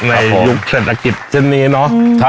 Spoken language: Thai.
ในยุคเศรษฐกิจเช่นนี้เนาะ